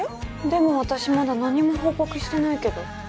でも私まだ何も報告してないけど。